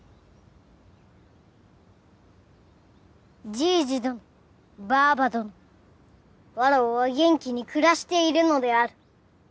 じいじどのばあばどのわらわは元気に暮らしているのである。